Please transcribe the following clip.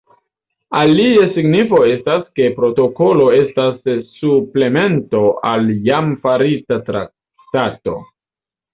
Alia signifo estas, ke protokolo estas suplemento al jam farita traktato.